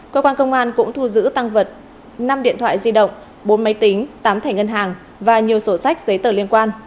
cơ quan công an cũng thu giữ tăng vật năm điện thoại di động bốn máy tính tám thẻ ngân hàng và nhiều sổ sách giấy tờ liên quan